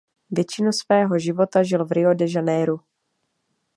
Většinu svého života žil v Rio de Janeiru.